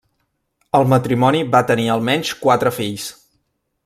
El matrimoni va tenir almenys quatre fills.